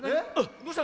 どうした？